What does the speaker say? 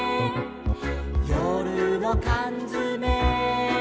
「よるのかんづめ」